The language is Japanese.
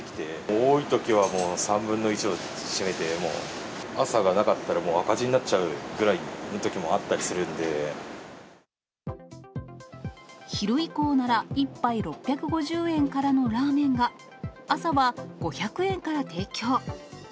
多いときは３分の１を占めて、もう朝がなかったら赤字になっちゃうぐらいのときもあったりする昼以降なら１杯６５０円からのラーメンが、朝は５００円から提供。